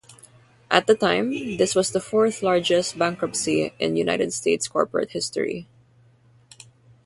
At the time, this was the fourth largest bankruptcy in United States corporate history.